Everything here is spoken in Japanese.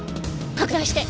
拡大して！